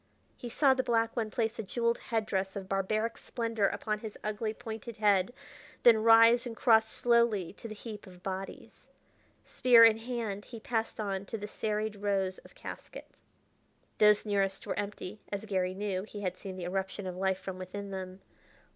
He saw the black one place a jeweled head dress of barbaric splendor upon his ugly, pointed head, then rise and cross slowly to the heap of bodies. Spear in hand, he passed on to the serried rows of caskets. Those nearest were empty, as Garry knew; he had seen the eruption of life from within them.